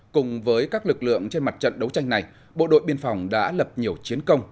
cùng với các lực lượng trên mặt trận đấu tranh này bộ đội biên phòng đã lập nhiều chiến công